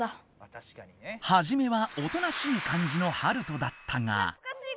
はじめはおとなしい感じのハルトだったが。